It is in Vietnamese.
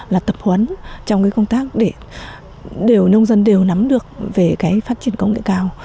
là tập huấn trong công tác để nông dân đều nắm được về phát triển công nghệ cao